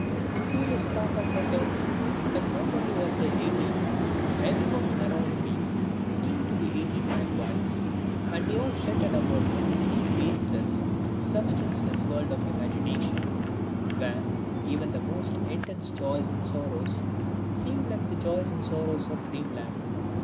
The curious part of it is that not only was I eighteen, but everyone around me seemed to be eighteen likewise; and we all flitted about in the same baseless, substanceless world of imagination, where even the most intense joys and sorrows seemed like the joys and sorrows of dreamland.